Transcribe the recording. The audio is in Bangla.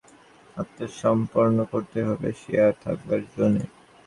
সত্যকে উপলব্ধি করলেই তার কাছে আত্মসমর্পণ করতেই হবে– সে আর থাকবার জো নেই।